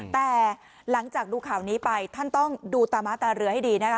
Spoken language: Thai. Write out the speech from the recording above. แต่หลังจากดูข่าวนี้ไปท่านต้องดูตาม้าตาเรือให้ดีนะคะ